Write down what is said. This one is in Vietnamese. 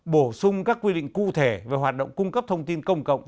bổ sung các quy định cụ thể về hoạt động cung cấp thông tin công cộng